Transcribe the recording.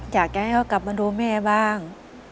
อยากจะให้เขากลับมาดูแม่บ้าง